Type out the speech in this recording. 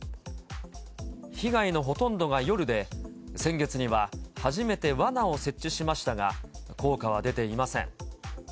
被害のほとんどが夜で、先月には初めてわなを設置しましたが、効果は出ていません。